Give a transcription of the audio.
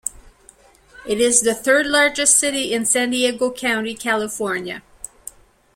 It is the third-largest city in San Diego County, California.